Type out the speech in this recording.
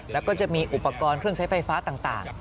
แล้วก็จะมีอุปกรณ์เครื่องใช้ไฟฟ้าต่าง